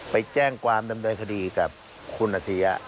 ไปแจ้งความดำเนินคดีกับคุณอาชียะ